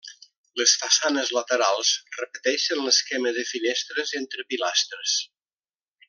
Les façanes laterals repeteixen l'esquema de finestres entre pilastres.